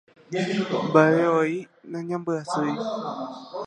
Mba'evevoi nañambyasýi